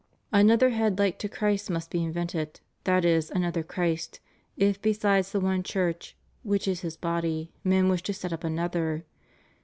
^<;^ Another head Hke to Christ must be invented — that is, 'another Christ — if besides the one Church, which is His body, men wish to set up another.